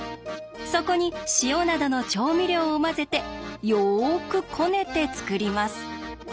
そこに塩などの調味料を混ぜてよくこねて作ります。